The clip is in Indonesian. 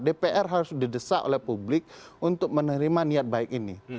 dpr harus didesak oleh publik untuk menerima niat baik ini